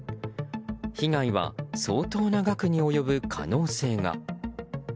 被害は、相当な額に及ぶ可能性が。